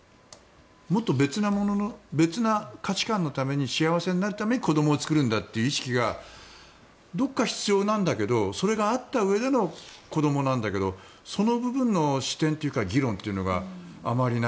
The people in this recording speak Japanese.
もっと別の価値観のために幸せになるために子供を作るんだという意識がどこか必要なんだけどそれがあったうえでの子供なんだけどその部分の視点というか議論というのがあまりない。